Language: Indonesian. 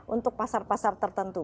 untuk pasar pasar tertentu